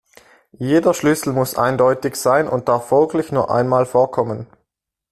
Jeder Schlüssel muss eindeutig sein und darf folglich nur einmal vorkommen.